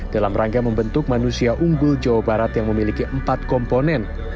dalam rangka membentuk manusia unggul jawa barat yang memiliki empat komponen